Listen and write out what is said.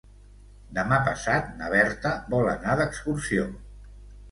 Demà passat na Berta vol anar d'excursió.